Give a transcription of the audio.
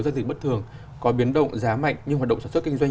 giao dịch bất thường có biến động giá mạnh như hoạt động sản xuất kinh doanh